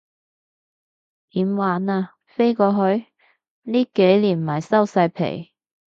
點玩啊，飛過去？呢幾年咪收晒皮